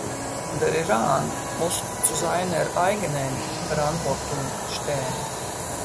Der Iran muss zu seiner eigenen Verantwortung stehen.